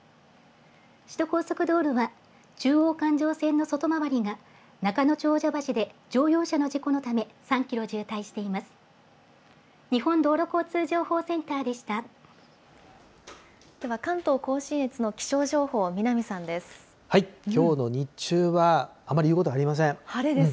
首都高速道路は中央環状線の外回りが中野長者橋で乗用車の事故のため、３キロ渋滞しています。